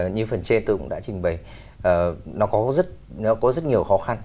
như phần trên tôi cũng đã trình bày nó có rất nhiều khó khăn